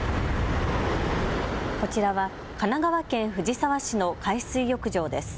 こちらは神奈川県藤沢市の海水浴場です。